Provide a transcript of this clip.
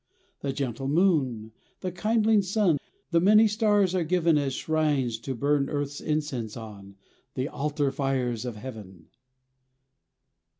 The gentle moon, the kindling sun, The many stars are given, As shrines to burn earth's incense on, The altar fires of Heaven!